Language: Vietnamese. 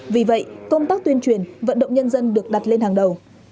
vì vậy công tác tuyên truyền vận động nhân dân được đặt lên hàng đầu